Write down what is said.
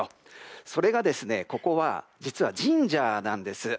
それが実は神社なんです。